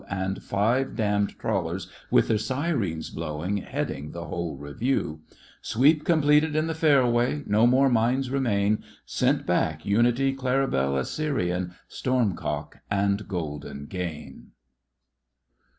And five damned trawlers with their syreens blowing Heading the whole revieiv ! "Sweep completed in the fairway. *'No more mines remain. "Sent back Unity, Claribel, Assyrian, Stormcock, and Golden Gain."